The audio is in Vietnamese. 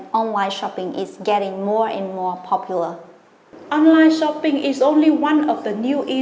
một trong những việc đó là mua và mua sản phẩm trên internet